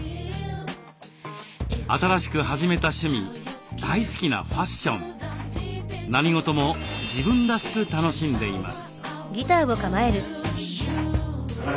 新しく始めた趣味大好きなファッション何事も自分らしく楽しんでいます。